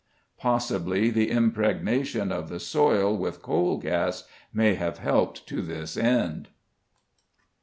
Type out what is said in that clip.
Possibly the impregnation of the soil with coal gas may have helped to this end.